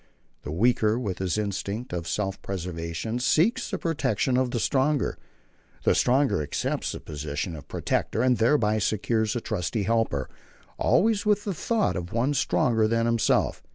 The weaker, with his instinct of self preservation, seeks the protection of the stronger. The stronger accepts the position of protector, and thereby secures a trusty helper, always with the thought of one stronger than himself.